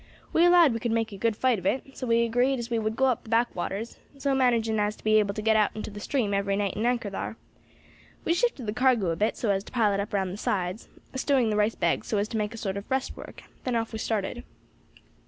We allowed we could make a good fight of it, so we agreed as we would go up the back waters, so managing as to be able to get out into the stream every night and anchor thar. We shifted the cargo a bit, so as to pile it up round the sides, stowing the rice bags so as to make a sort of breastwork; then off we started.